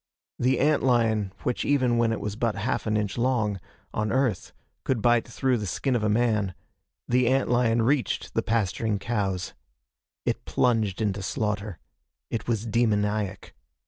The ant lion which even when it was but half an inch long, on Earth, could bite through the skin of a man the ant lion reached the pasturing cows. It plunged into slaughter. It was demoniac.